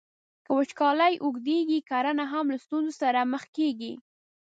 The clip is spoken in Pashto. که وچکالۍ اوږدیږي، کرنه هم له ستونزو سره مخ کیږي.